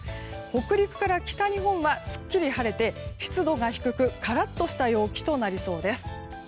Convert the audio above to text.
北陸から北日本はすっきり晴れて湿度が低く、カラッとした陽気となりそうです。